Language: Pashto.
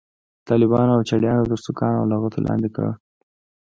طالبانو او چړیانو تر سوکانو او لغتو لاندې کړ.